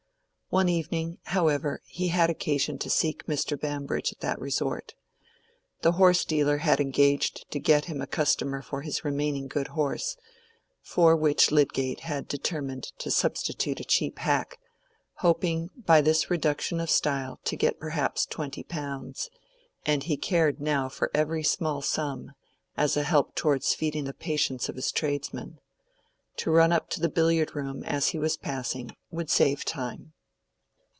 One evening, however, he had occasion to seek Mr. Bambridge at that resort. The horsedealer had engaged to get him a customer for his remaining good horse, for which Lydgate had determined to substitute a cheap hack, hoping by this reduction of style to get perhaps twenty pounds; and he cared now for every small sum, as a help towards feeding the patience of his tradesmen. To run up to the billiard room, as he was passing, would save time.